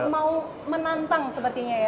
mau menantang sepertinya ya